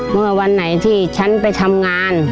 เมื่อวันไหนที่ฉันไปทำงาน